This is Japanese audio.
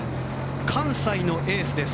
関西のエースです。